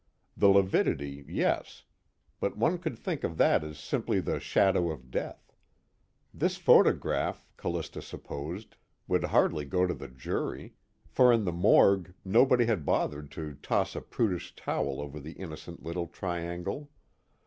The lividity, yes; but one could think of that as simply the shadow of death. This photograph, Callista supposed, would hardly go to the jury, for in the morgue nobody had bothered to toss a prudish towel over the innocent little triangle.